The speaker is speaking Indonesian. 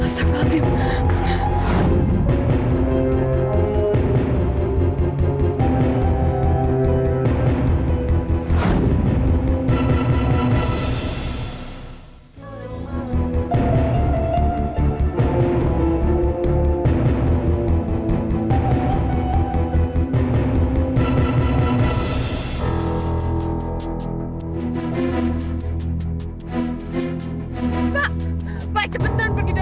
sampai ketemu lagi